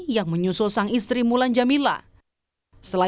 yang sudah lebih dulu menjadi politikus